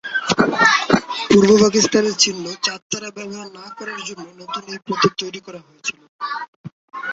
পূর্ব পাকিস্তানের চিহ্ন চাঁদ তারা ব্যবহার না করার জন্য নতুন এই প্রতীক তৈরী করা হয়েছিল।